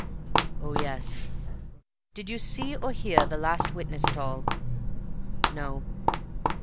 "Oh, yes." "Did you see or hear the last witness at all?" "No."